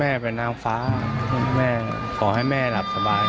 เนี้ยแม่เป็นนางฟ้ามันแม่พอให้แม่หลับสบาย